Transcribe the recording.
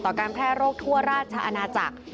การแพร่โรคทั่วราชอาณาจักร